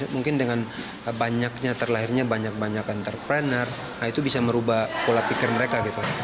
mungkin dengan banyaknya terlahirnya banyak banyak entrepreneur nah itu bisa merubah pola pikir mereka gitu